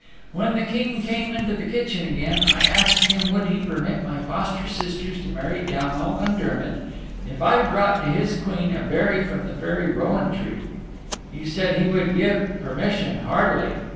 When the King came into the kitchen again, I asked him would he permit my foster sisters to marry Downal and Dermott if I brought to his Queen a berry from the Fairy Rowan Tree. He said he would give permission heartily.